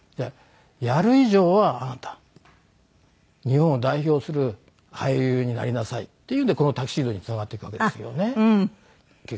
「やる以上はあなた日本を代表する俳優になりなさい」っていうんでこのタキシードにつながっていくわけですけどね。